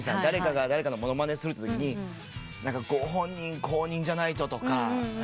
誰かが誰かの物まねするってときにご本人公認じゃないととか。